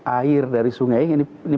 air dari sungai